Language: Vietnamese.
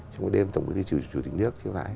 trong cái đêm tổng thống quốc tế chủ tịch nước